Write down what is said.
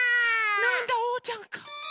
なんだおうちゃんか。